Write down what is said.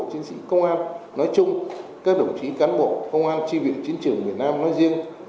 chiến sĩ công an nói chung các đồng chí cán bộ công an tri viện chiến trường miền nam nói riêng